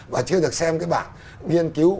và chưa được xem cái bản nghiên cứu